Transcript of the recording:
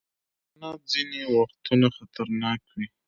حیوانات ځینې وختونه خطرناک وي.